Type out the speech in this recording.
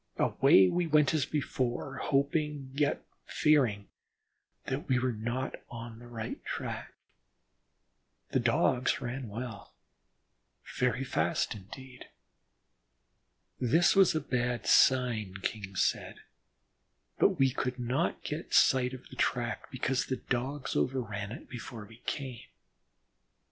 Away we went as before, hoping, yet fearing that we were not on the right track. The Dogs ran well, very fast indeed. This was a bad sign, King said, but we could not get sight of the track because the Dogs overran it before we came.